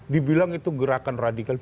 dibilang itu gerakan radikal